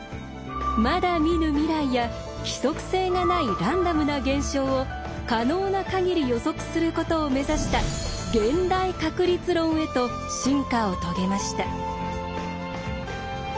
まだ見ぬ未来や規則性がないランダムな現象を可能な限り予測することを目指した「現代確率論」へと進化を遂げました。